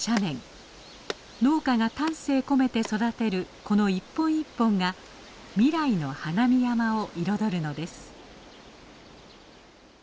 農家が丹精込めて育てるこの一本一本が未来の花見山を彩るのです。